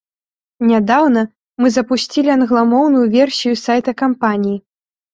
Нядаўна мы запусцілі англамоўную версію сайта кампаніі.